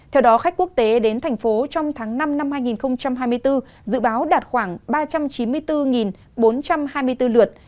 theo đó khách quốc tế đến thành phố trong tháng năm năm hai nghìn hai mươi bốn dự báo đạt khoảng ba trăm chín mươi bốn bốn trăm hai mươi bốn lượt